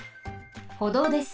歩道です。